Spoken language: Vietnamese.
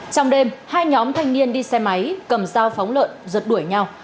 trong đêm hai nhóm thanh niên đi xe máy cầm dao phóng lợn rật đuổi nhau